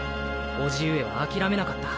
叔父上は諦めなかった。